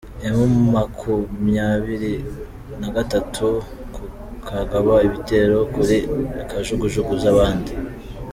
Emu makumyabiri nagatatu kugaba ibitero kuri kajugujugu zabandi